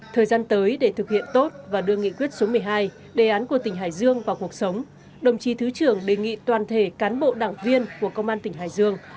thời gian tới để thực hiện tốt và đưa nghị quyết số một mươi hai đề án của tỉnh hải dương vào cuộc sống đồng chí thứ trưởng đề nghị toàn thể cán bộ đảng viên của công an tỉnh hải dương